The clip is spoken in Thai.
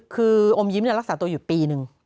คืออมยิ้มรักษาตัวอยู่ปีหนึ่ง